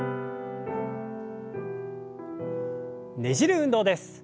ねじる運動です。